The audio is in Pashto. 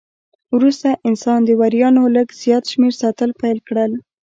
وروسته انسان د وریانو لږ زیات شمېر ساتل پیل کړل.